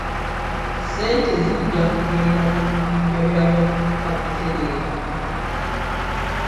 Ssente zijja kugenda mu bibinja by'abavubuka butereevu.